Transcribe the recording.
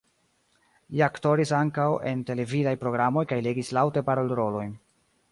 Li aktoris ankaŭ en televidaj programoj kaj legis laŭte parolrolojn.